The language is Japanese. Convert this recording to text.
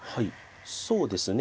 そうですね